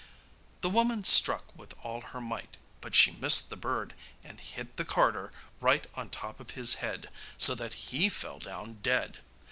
The woman struck with all her might, but she missed the bird and hit the carter right on the top of his head, so that he fell down dead.